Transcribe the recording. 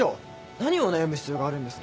何を悩む必要があるんですか？